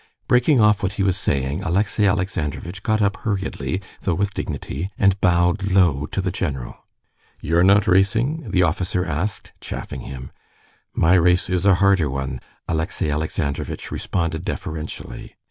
Breaking off what he was saying, Alexey Alexandrovitch got up hurriedly, though with dignity, and bowed low to the general. "You're not racing?" the officer asked, chaffing him. "My race is a harder one," Alexey Alexandrovitch responded deferentially.